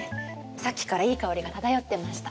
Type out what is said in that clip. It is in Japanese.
さっきからいい香りが漂ってました。